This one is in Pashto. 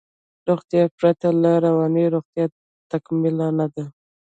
روغتیا پرته له روانی روغتیا تکمیل نده